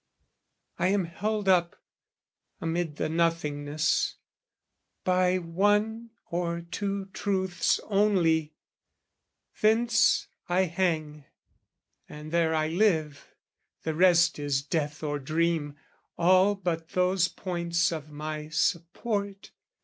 I am held up, amid the nothingness, By one or two truths only thence I hang, And there I live, the rest is death or dream, All but those points of my support.